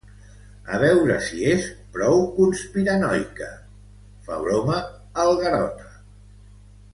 A veure si és prou conspiranoica —fa broma el Garota.